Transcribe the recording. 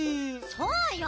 そうよ！